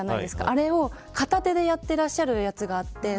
あれは片手でやってらっしゃるやつがあって。